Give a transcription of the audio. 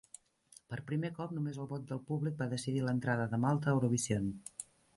Per primer cop, només el vot del públic va decidir l'entrada de Malta a Eurovision.